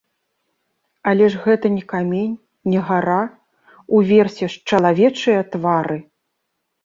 Але ж гэта не камень, не гара, уверсе ж чалавечыя твары!